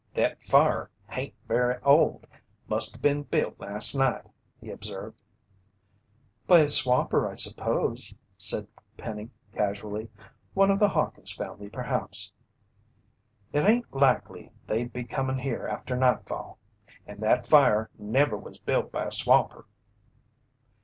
"Thet fire hain't very old must have been built last night," he observed. "By a swamper, I suppose," said Penny casually. "One of the Hawkins' family perhaps." "It hain't likely they'd be comin' here after nightfall. An' that fire never was built by a swamper."